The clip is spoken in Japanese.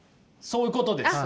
そういうことです。